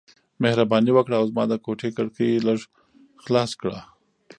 مهرباني وکړه او زما د کوټې کړکۍ لږ خلاص کړه.